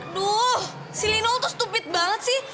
aduh si linol tuh stupid banget sih